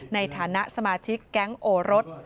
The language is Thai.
ในฐานะสมาชิกแก๊งโอรส